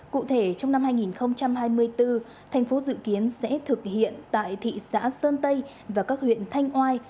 cụ thể trong năm hai nghìn hai mươi bốn thành phố dự kiến sẽ thực hiện tại thị xã sơn tây và các huyện thanh oai